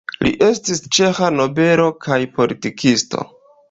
Li estis ĉeĥa nobelo kaj politikisto.